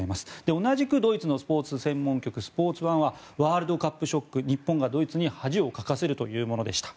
同じくドイツのスポーツ専門局スポーツ１はワールドカップショック日本がドイツに恥をかかせるというものでした。